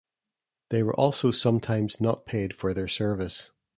They were also sometimes not paid for their service.